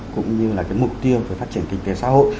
cũng như là cái mục tiêu về phát triển kinh tế xã hội